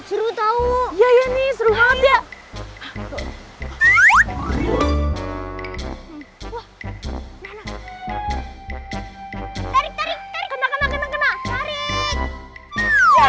seru tau ya ini seru banget ya